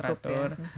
terus cukup ya